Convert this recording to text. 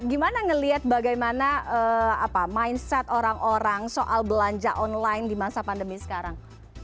gimana ngelihat bagaimana mindset orang orang soal belanja online di masa pandemi sekarang